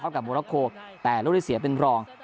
แต้มครอบครับมูลโลโคแต่รถที่เสียเป็นรอง